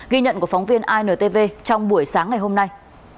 ghi nhận của phóng viên intv trong buổi sáng ngày hôm nay